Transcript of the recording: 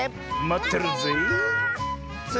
まってるよ！